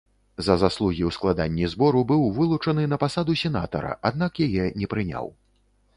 За заслугі ў складанні збору быў вылучаны на пасаду сенатара, аднак яе не прыняў.